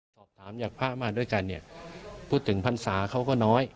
สอบถามอยากพระอำมาตย์ด้วยกันพูดถึงพรรษาเขาก็น้อย